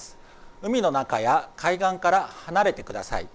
海の中や海岸から離れてください。